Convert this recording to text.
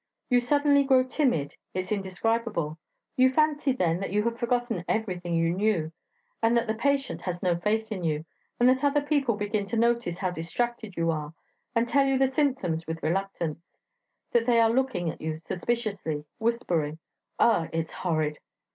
You suddenly grow so timid; it's indescribable. You fancy then that you have forgotten everything you knew, and that the patient has no faith in you, and that other people begin to notice how distracted you are, and tell you the symptoms with reluctance; that they are looking at you suspiciously, whispering... Ah! it's horrid!